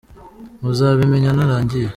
Muzabimenya naragiye